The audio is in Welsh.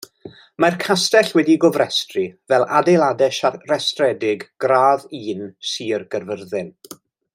Mae'r castell wedi'i gofrestru fel Adeiladau rhestredig Gradd Un Sir Gaerfyrddin.